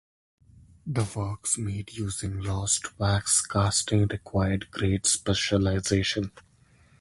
The works made using lost-wax casting required great specialization.